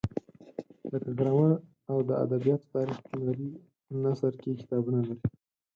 لکه ګرامر او د ادبیاتو تاریخ هنري نثر کې کتابونه لري.